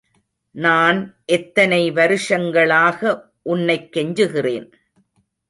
நான் எத்தனை வருஷங்களாக உன்னைக் கெஞ்சுகிறேன்.